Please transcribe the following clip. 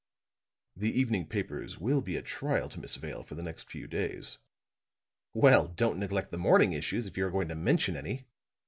"The evening papers will be a trial to Miss Vale for the next few days." "Well, don't neglect the morning issues, if you are going to mention any.